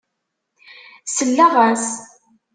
Selleɣ-as.